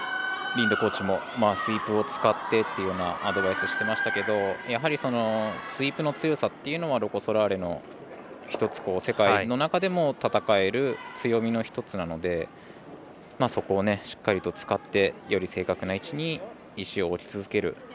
リンドコーチもスイープを使ってっていうようなアドバイス、してましたけどスイープの強さというのはロコ・ソラーレの１つ、世界の中でも戦える強みの１つなのでそこをしっかりと使ってより正確な位置に石を置き続ける。